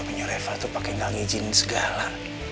punya reva tuh pake gak ngijinin segala